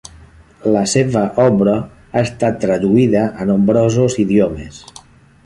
La seva obra ha estat traduïda a nombrosos idiomes.